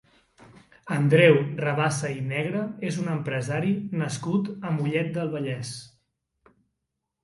Andreu Rabasa i Negre és un empresari nascut a Mollet del Vallès.